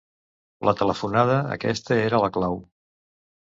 La telefonada, aquesta era la clau!